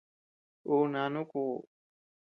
Ú nánu kuʼu.